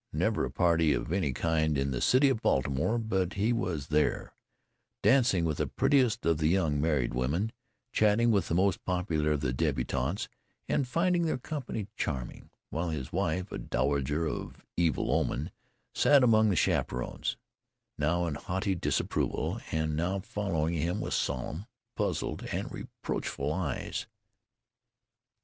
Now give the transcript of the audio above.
Never a party of any kind in the city of Baltimore but he was there, dancing with the prettiest of the young married women, chatting with the most popular of the débutantes, and finding their company charming, while his wife, a dowager of evil omen, sat among the chaperons, now in haughty disapproval, and now following him with solemn, puzzled, and reproachful eyes.